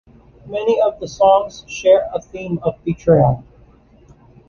Many of the songs share a theme of betrayal.